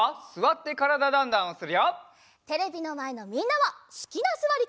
テレビのまえのみんなはすきなすわりかたでやってね！